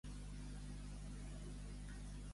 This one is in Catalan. Ser un saboc.